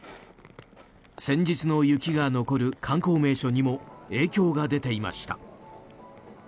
先日の雪が残る観光名所にも影響が出ていました。